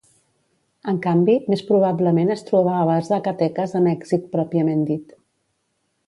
En canvi, més probablement es trobava Zacatecas a Mèxic pròpiament dit.